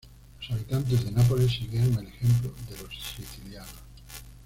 Los habitantes de Nápoles siguieron el ejemplo de los sicilianos.